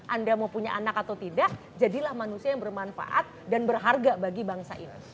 anda mau punya anak atau tidak jadilah manusia yang bermanfaat dan berharga bagi bangsa indonesia